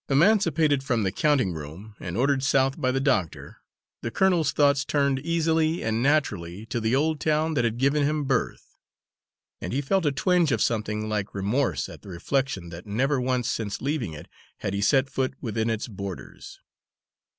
Emancipated from the counting room, and ordered South by the doctor, the colonel's thoughts turned easily and naturally to the old town that had given him birth; and he felt a twinge of something like remorse at the reflection that never once since leaving it had he set foot within its borders.